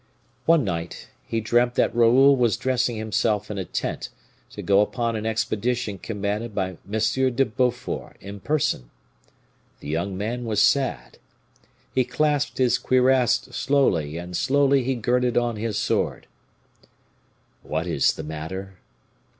One night, he dreamt that Raoul was dressing himself in a tent, to go upon an expedition commanded by M. de Beaufort in person. The young man was sad; he clasped his cuirass slowly, and slowly he girded on his sword. "What is the matter?"